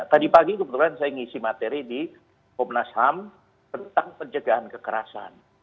tadi pagi kebetulan saya ngisi materi di komnas ham tentang pencegahan kekerasan